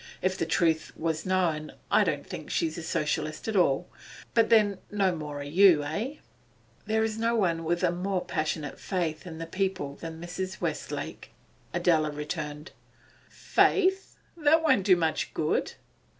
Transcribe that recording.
If the truth was known, I don't think she's a Socialist at all. But then, no more are you, eh?' 'There is no one with a more passionate faith in the people than Mrs. Westlake,' Adela returned. 'Faith! That won't do much good.